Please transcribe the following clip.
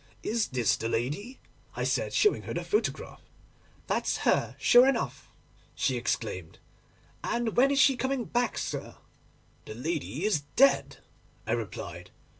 —"Is this the lady?" I said, showing the photograph. "That's her, sure enough," she exclaimed; "and when is she coming back, sir?"—"The lady is dead," I replied.